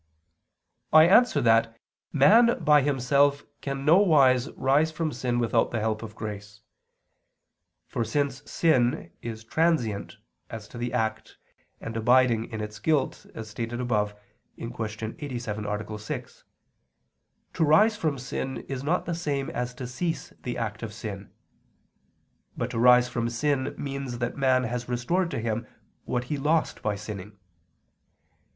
I answer that, Man by himself can no wise rise from sin without the help of grace. For since sin is transient as to the act and abiding in its guilt, as stated above (Q. 87, A. 6), to rise from sin is not the same as to cease the act of sin; but to rise from sin means that man has restored to him what he lost by sinning.